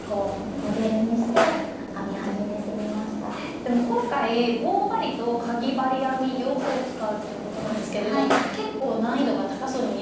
でも今回棒針とかぎ針編み両方を使うっていうことなんですけれど結構難易度が高そうに見えるんですけど。